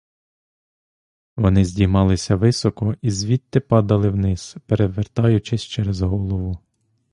Вони здіймались високо і звідти падали вниз перевертаючись через голову.